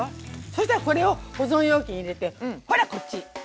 そしたらこれを保存容器に入れてほらこっち！